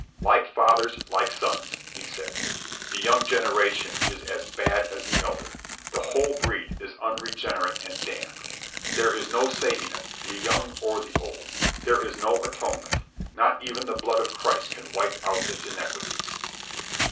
"Like fathers like sons," he said. "The young generation is as bad as the elder. The whole breed is unregenerate and damned. There is no saving it, the young or the old. There is no atonement. Not even the blood of Christ can wipe out its iniquities."